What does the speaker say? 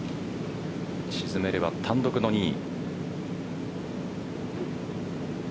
沈めれば単独の２位。